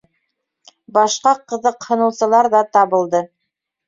Башҡа ҡыҙыҡһыныусылар ҙа табылды.